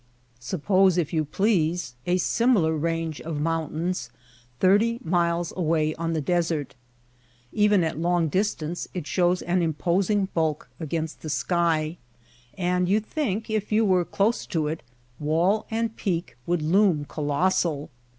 Suppose, if you please, a similar range of mountains thirty miles away on the desert. Even at long distance it shows an imposing bulk against the sky, and you think if you were close to it, wall and peak would loom colossal.